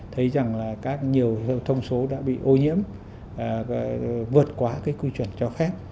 thấy rằng là các nhiều thông số đã bị ô nhiễm vượt quá cái quy chuẩn cho khác